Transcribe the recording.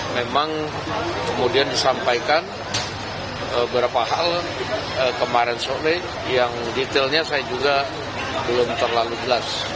memang kemudian disampaikan beberapa hal kemarin sore yang detailnya saya juga belum terlalu jelas